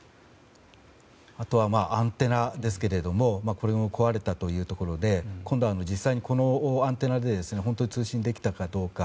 あとはアンテナですけれどもこれも壊れたということで今度は実際にこのアンテナで通信できたのかどうか。